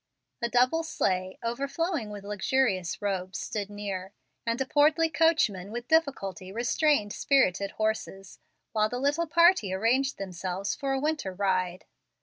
A double sleigh, overflowing with luxurious robes, stood near, and a portly coachman with difficulty restrained his spirited horses while the little party arranged themselves for a winter ride.